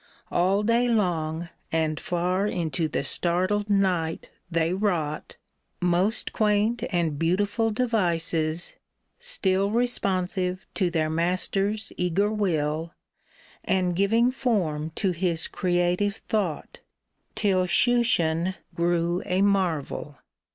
All day long And far into the startled night, they wrought Most quaint and beautiful devices — still Responsive to their master's eager will, And giving form to his creative thought — Till Shushan grew a marvel